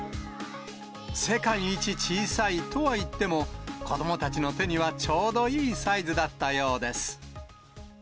世界一小さいとはいっても、子どもたちの手にはちょうどいいサイズだったようです。